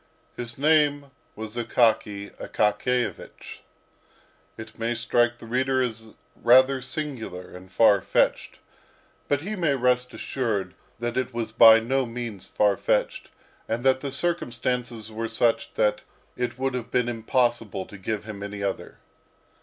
His name was Akaky Akakiyevich. It may strike the reader as rather singular and far fetched; but he may rest assured that it was by no means far fetched, and that the circumstances were such that it would have been impossible to give him any other.